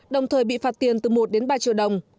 đồng thời bị phạt tiền từ một đến ba triệu đồng